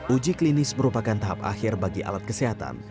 uji klinis merupakan tahap akhir bagi alat kesehatan